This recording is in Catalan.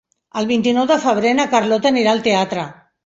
El vint-i-nou de febrer na Carlota anirà al teatre.